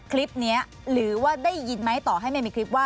คลิปนี้หรือว่าได้ยินไหมต่อให้ไม่มีคลิปว่า